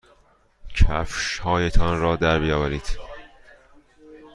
کفشهایتان را درآورید.